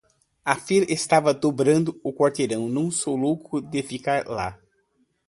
A fila estava dobrando o quarteirão. Não sou louco de ficar lá.